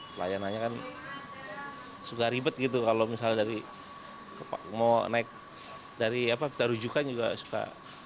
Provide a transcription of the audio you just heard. pelayanannya kan suka ribet gitu kalau misalnya dari mau naik dari kita rujukan juga suka